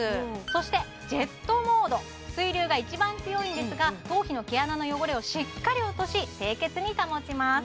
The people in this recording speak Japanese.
そしてジェットモード水流が一番強いんですが頭皮の毛穴の汚れをしっかり落とし清潔に保ちます